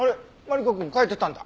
マリコくん帰ってたんだ。